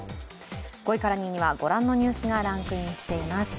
５位から２位にはご覧のニュースがランクインしています。